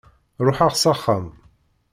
Ruḥeɣ s axxam.